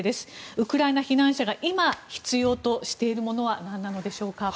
ウクライナ避難者が今、必要としているものは何なのでしょうか。